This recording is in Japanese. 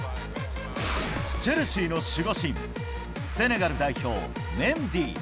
チェルシーの守護神セネガル代表メンディ。